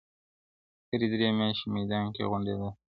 هري درې مياشتي ميدان كي غونډېدله-